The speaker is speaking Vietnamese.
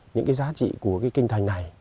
đối với những giá trị của kinh thành này